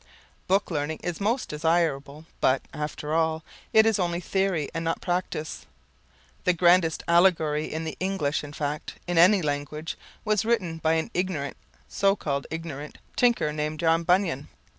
Book learning is most desirable, but, after all, it is only theory and not practice. The grandest allegory in the English, in fact, in any language, was written by an ignorant, so called ignorant, tinker named John Bunyan.